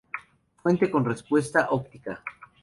Fuente con respuesta óptica.